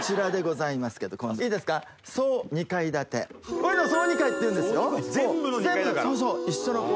こういうのを総２階っていうんですよ。